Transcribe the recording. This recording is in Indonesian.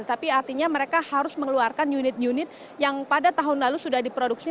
tapi artinya mereka harus mengeluarkan unit unit yang pada tahun lalu sudah diproduksi